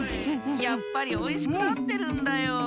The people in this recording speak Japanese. やっぱりおいしくなってるんだよ。